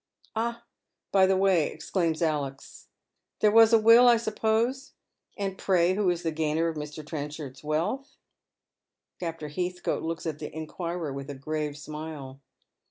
" Ah, by the way," exclaims Alexis, " tliere was a will, I suppose. And pray who is the gainer of Mi\ Trenchard'a wealth?" Captain Heathcote looks at the inquirer with a grave smile.